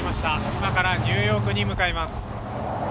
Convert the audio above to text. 今からニューヨークに向かいます。